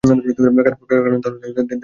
কারণ তাহলে "দেব" দুবাই আসতে বাধ্য হবে।